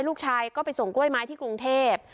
ลูกชายก็ไปส่งกล้วยไม้ที่กรุงเทพ